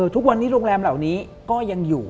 ทุกวันนี้โรงแรมเหล่านี้ก็ยังอยู่